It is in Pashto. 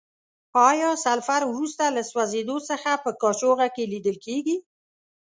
آیا سلفر وروسته له سوځیدو څخه په قاشوغه کې لیدل کیږي؟